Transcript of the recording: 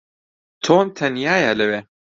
تۆم تەنیایە لەوێ.